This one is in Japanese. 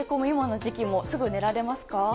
今の時期もすぐ寝られますか？